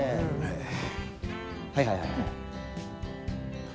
はいはいはいはい。